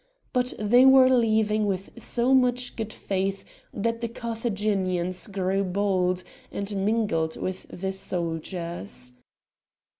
But they were leaving with so much good faith that the Carthaginians grew bold and mingled with the soldiers.